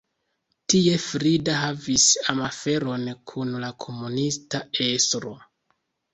Tie Frida havis amaferon kun la komunista estro.